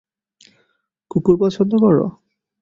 কুকুর পছন্দ কর?